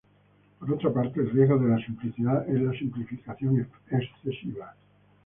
Por otra parte, el riesgo de la simplicidad es la simplificación excesiva.